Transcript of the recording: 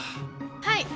はい。